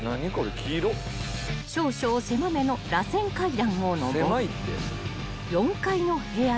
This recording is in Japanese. ［少々狭めのらせん階段を上り４階の部屋へ］